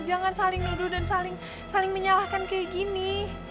jangan saling nuduh dan saling menyalahkan kayak gini